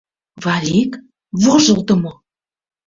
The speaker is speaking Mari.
— Валик, вожылдымо!